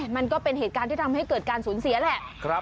มันก็เป็นเหตุการณ์ที่ทำให้เกิดการสูญเสียแหละ